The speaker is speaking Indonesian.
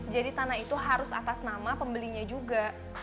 jadi tanah itu harus atas nama pembelinya juga